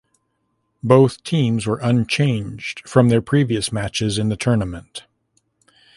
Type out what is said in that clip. Both teams were unchanged from their previous matches in the tournament.